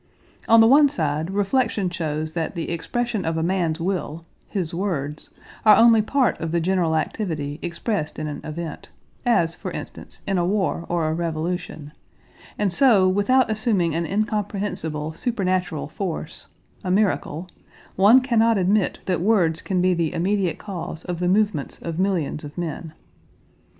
On the one side reflection shows that the expression of a man's will—his words—are only part of the general activity expressed in an event, as for instance in a war or a revolution, and so without assuming an incomprehensible, supernatural force—a miracle—one cannot admit that words can be the immediate cause of the movements of millions of men.